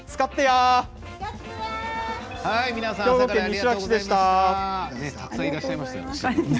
最後たくさんいらっしゃいましたね。